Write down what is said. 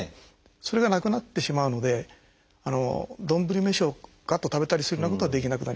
それがなくなってしまうので丼飯をがっと食べたりするようなことはできなくなります。